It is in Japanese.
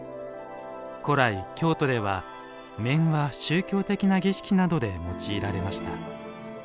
古来、京都では面は宗教的な儀式などで用いられました。